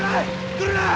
来るな！